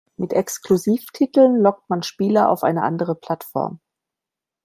Mit Exklusivtiteln lockt man Spieler auf eine andere Plattform.